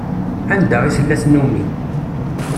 Anda i tella tnumi.